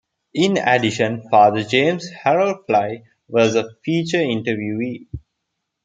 In addition, Father James Harold Flye was a featured interviewee.